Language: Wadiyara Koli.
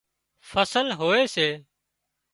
فصل هوئي سي